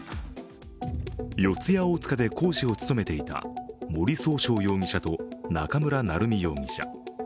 四谷大塚で講師を務めていた森崇翔容疑者と中村成美容疑者。